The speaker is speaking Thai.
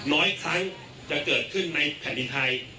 ร้อยครั้งจะเกิดขึ้นในแผ่นดินไทย